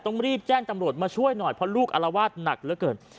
ต้องรีบแจ้งตำรวจมาช่วยหน่อยเพราะลูกอารวาสหนักเหลือเกิน